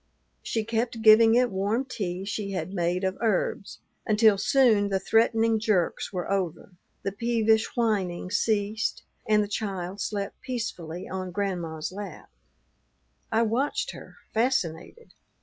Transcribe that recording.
She kept giving it warm tea she had made of herbs, until soon the threatening jerks were over, the peevish whining ceased, and the child slept peacefully on Grandma's lap. I watched her, fascinated.